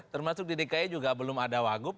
termasuk di dki juga belum ada wagub